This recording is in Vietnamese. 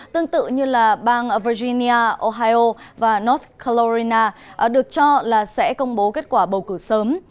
tương tự như là bang virginia ohio và north calorina được cho là sẽ công bố kết quả bầu cử sớm